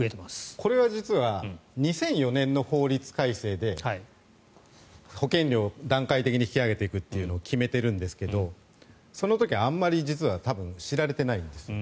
これは実は２００４年の法律改正で保険料を段階的に引き上げていくと決めているんですがその時あまり知られてないんです。